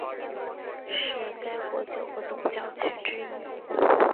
是该国九个总教区之一。